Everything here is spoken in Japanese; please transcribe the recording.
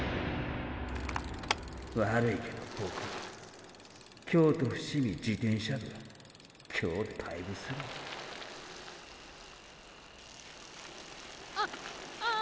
悪いけどボク京都伏見自転車部今日で退部するわあっ